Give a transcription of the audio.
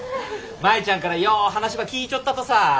舞ちゃんからよう話ば聞いちょったとさ。